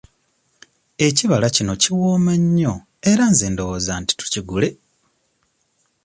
Ekibala kino kiwooma nnyo era nze ndowooza nti tukigule.